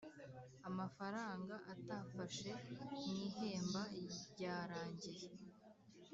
Amafaranga atafashe mw’ ihemba ryarangiye